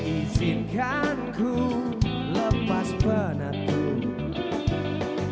izinkanku lepas penatuh